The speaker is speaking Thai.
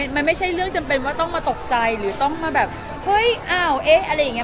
มันไม่ใช่เรื่องจำเป็นว่าต้องมาตกใจหรือต้องมาแบบเฮ้ยอ้าวเอ๊ะอะไรอย่างนี้